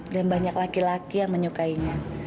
dan banyak laki laki yang menyukainya